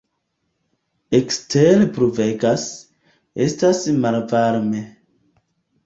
Ekstere pluvegas, estas malvarme.